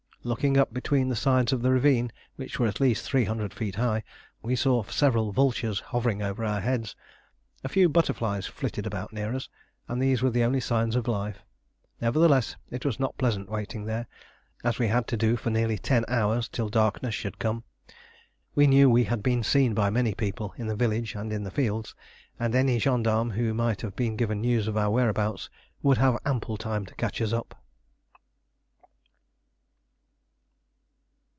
Looking up between the sides of the ravine, which were at least 300 feet high, we saw several vultures hovering over our heads. A few butterflies flitted about near us; and these were the only signs of life. Nevertheless it was not pleasant waiting there, as we had to do for nearly ten hours till darkness should come. We knew we had been seen by many people in the village and in the fields, and any gendarmes who might have been given news of our whereabouts would have ample time to catch us up.